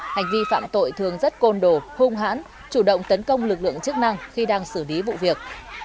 hành vi phạm tội thường rất côn đồ hung hãn chủ động tấn công lực lượng chức năng khi đang xử lý vụ việc